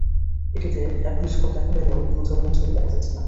এটিতে এখন স্কোর দেখা গেলেও কোনো চলমান ছবি দেখা যাচ্ছে না।